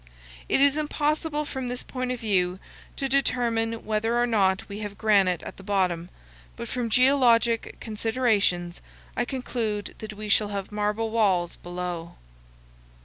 It is impossible from this point of view to determine whether or not we have granite at the bottom; but from geologic considerations, I conclude that we shall have marble walls below.